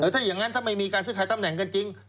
ถ้าอย่างนั้นถ้าไม่มีการซื้อขายตำแหน่งกันจริง